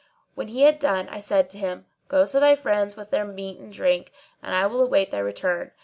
When he had done, I said to him, "Go to thy friends with their meat and drink, and I will await thy return.